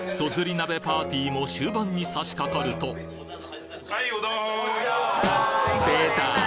鍋パーティーも終盤にさしかかるとでた！